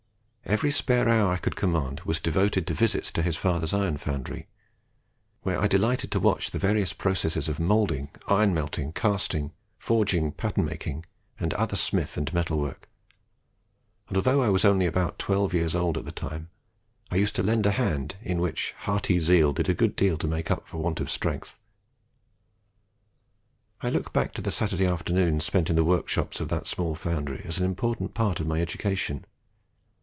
Every spare hour that I could command was devoted to visits to his father's iron foundry, where I delighted to watch the various processes of moulding, iron melting, casting, forging, pattern making, and other smith and metal work; and although I was only about twelve years old at the time, I used to lend a hand, in which hearty zeal did a good deal to make up for want of strength. I look back to the Saturday afternoons spent in the workshops of that small foundry, as an important part of my education.